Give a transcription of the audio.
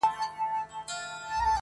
او له خپل کاره اغېزمن ښکاري